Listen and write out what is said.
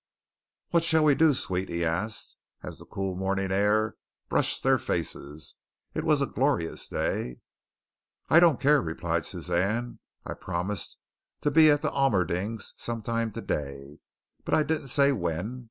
"What shall we do, sweet?" he asked, as the cool morning air brushed their faces. It was a glorious day. "I don't care," replied Suzanne. "I promised to be at the Almerdings some time today, but I didn't say when.